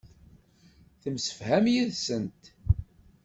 Temsefham yid-sent.